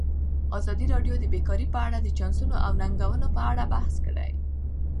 ازادي راډیو د بیکاري په اړه د چانسونو او ننګونو په اړه بحث کړی.